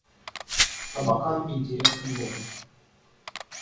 Абакан — интересный город